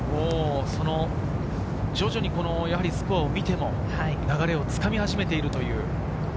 徐々にスコアを見ても、流れを掴み始めている。